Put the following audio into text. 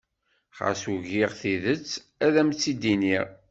Xas ugiɣ, tidet ad m-tt-iniɣ.